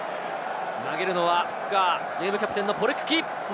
投げるのはフッカー、ゲームキャプテンのポレクキ。